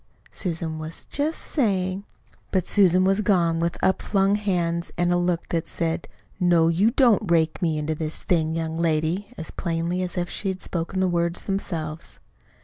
Susan was just saying ." But Susan was gone with upflung hands and a look that said "No, you don't rake me into this thing, young lady!" as plainly as if she had spoken the words themselves.